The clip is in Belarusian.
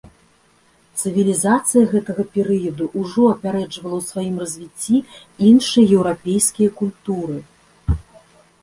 Цывілізацыя гэтага перыяду ўжо апярэджвала ў сваім развіцці іншыя еўрапейскія культуры.